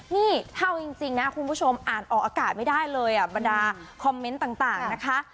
นี่เท่าจริงนะคุณผู้ชมอ่านออกอากาศไม่ได้เลยบรรดาคอมเมนต์ต่างนะคะ